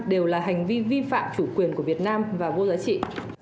đều là hành vi vi phạm chủ quyền của việt nam và vô giá trị